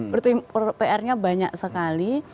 berarti pr nya banyak sekali